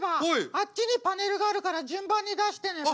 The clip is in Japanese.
あっちにパネルがあるから順番に出してねば。